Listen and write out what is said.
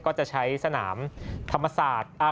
ก็จะใช้สนามธรรมศาสตร์